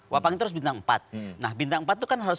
wapang itu harus bintang empat nah bintang empat itu kan harus